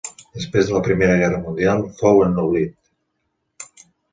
Després de la Primera Guerra Mundial fou ennoblit.